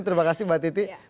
terima kasih mbak titi